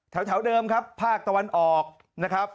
แถวเดิมครับภาคตะวันออกนะครับ